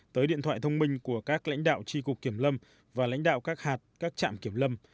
tới điện thoại thông minh của các lãnh đạo tri cục kiểm lâm và lãnh đạo các hạt các trạm kiểm lâm